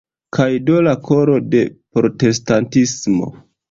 Kaj do la koro de protestantismo.